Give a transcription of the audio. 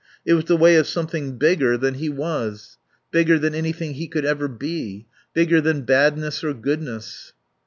It was the way of something bigger than he was, bigger than anything he could ever be. Bigger than badness or goodness."